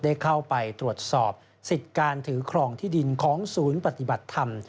ได้เข้าไปตรวจสอบสิทธิ์การถือครองที่ดินของศูนย์ปฏิบัติธรรม